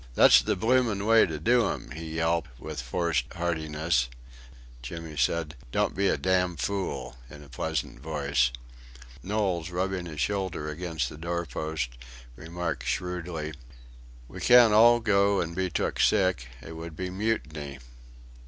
"That's the blooming way to do 'em!" he yelped, with forced heartiness. Jimmy said: "Don't be a dam' fool," in a pleasant voice. Knowles, rubbing his shoulder against the doorpost, remarked shrewdly: "We can't all go an' be took sick it would be mutiny."